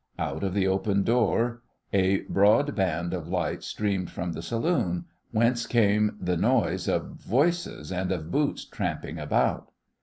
Out of the open door a broad band of light streamed from the saloon, whence came the noise of voices and of boots tramping about.